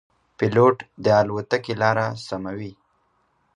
پیلوټ د الوتکې لاره سموي.